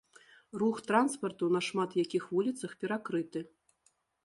Рух транспарту на шмат якіх вуліцах перакрыты.